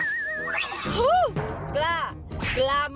เหรอ